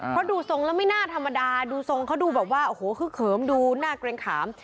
เพราะดูทรงแล้วไม่น่าธรรมดาดูทรงเขาดูแบบว่าโอ้โหคือเขิมดูหน้าเกรงขาม